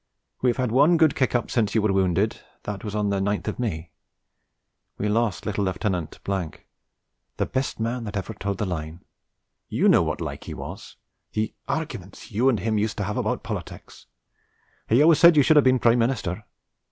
We have had one good kick up since you were wounded, that was on the 9th of May. We lost little Lieut. , the best man that ever toed the line. You know what like he was; the arguments you and him used to have about politics. He always said you should have been Prime Minister.